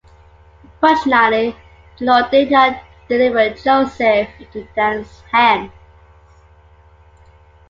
Fortunately, the Lord did not deliver Joseph into Dan's hands.